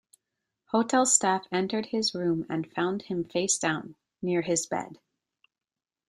Hotel staff entered his room and found him face down, near his bed.